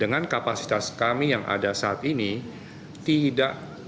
dengan kapasitas kami yang ada saat ini tidak